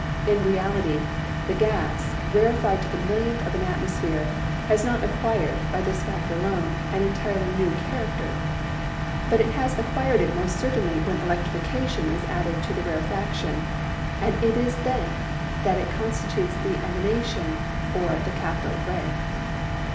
In reality, the gas, rarefied to the millionth of an atmosphere, has not acquired, by this fact alone, an entirely new character; but it has acquired it most certainly when electrification is added to the rarefaction, and it is then that it constitutes the emanation or the cathode ray."